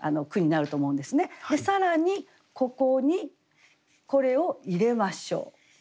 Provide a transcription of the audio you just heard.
更にここにこれを入れましょう。